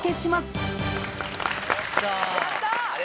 やった！